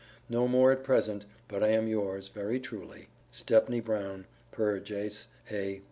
No more at present, but I am yours very truly, STEPNEY BROWN, per Jas. A.